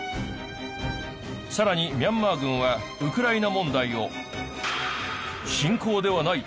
さらにミャンマー軍はウクライナ問題を「侵攻ではない。